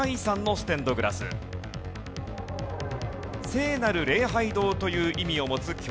「聖なる礼拝堂」という意味を持つ教会。